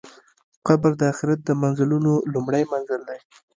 قبر د آخرت د منزلونو لومړی منزل دی.